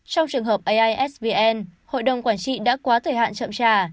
trong trường hợp aisbn hội đồng quản trị đã quá thời hạn chậm trà